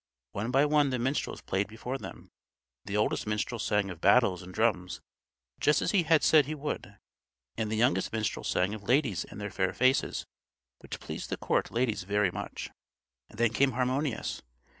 One by one the minstrels played before them. The oldest minstrel sang of battles and drums, just as he had said he would; and the youngest minstrel sang of ladies and their fair faces, which pleased the court ladies very much. [Illustration: Harmonius touched his harp and sang.] Then came Harmonius.